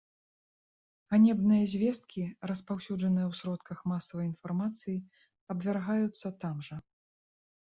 Ганебныя звесткі, распаўсюджаныя ў сродках масавай інфармацыі, абвяргаюцца там жа.